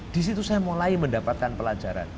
di situ saya mulai mendapatkan pelajaran